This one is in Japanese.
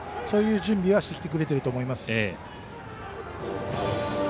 そういう準備はしてきてくれていると思います。